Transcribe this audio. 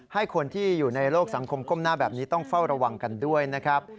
ให้คนที่อยู่ในโลกสังคมก้มหน้าแบบนี้ต้องเฝ้าระวังกันด้วยนะครับ